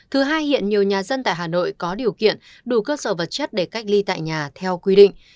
thứ hai hiện nhiều nhà dân tại hà nội có điều kiện đủ cơ sở vật chất để cách ly tại nhà theo quy định